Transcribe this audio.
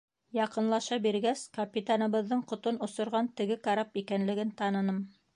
Яҡынлаша биргәс, капитаныбыҙҙың ҡотон осорған теге карап икәнлеген таныным.